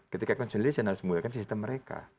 ketika consolidation harus menggunakan sistem mereka